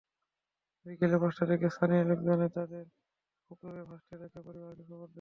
বিকেল পাঁচটার দিকে স্থানীয় লোকজন তাদের পুকুরে ভাসতে দেখে পরিবারকে খবর দেন।